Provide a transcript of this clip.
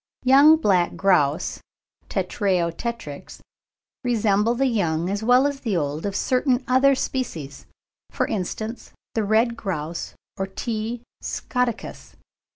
Young black grouse (Tetrao tetrix) resemble the young as well as the old of certain other species, for instance the red grouse or T. scoticus.